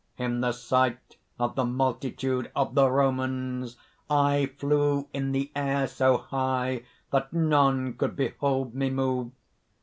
"In the sight of the multitude of the Romans, I flew in the air so high that none could behold me move.